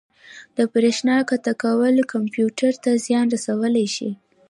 د بریښنا قطع کول کمپیوټر ته زیان رسولی شي.